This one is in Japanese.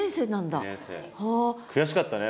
悔しかったね